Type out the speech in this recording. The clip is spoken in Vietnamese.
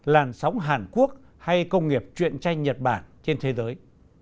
làn sóng hàn quốc hay công nghiệp chuyện tranh nhật bản trên thế giới